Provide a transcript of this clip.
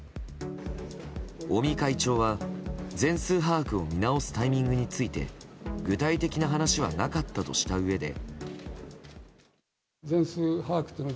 尾身会長は全数把握を見直すタイミングについて具体的な話はなかったとしたうえで。